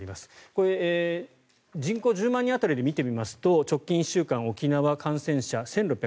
これ、人口１０万人当たりで見てみますと直近１週間、沖縄の感染者１６３６人。